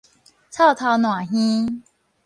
臭頭爛耳